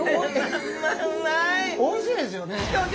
おいしいですよね。